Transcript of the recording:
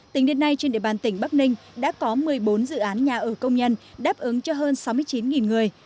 tính đến nay trên địa bàn tỉnh bắc ninh đã có một mươi bốn dự án nhà ở công nhân đáp ứng cho hơn sáu mươi chín người